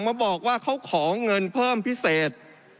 มาบอกว่าเขาขอเงินเพิ่มพิเศษ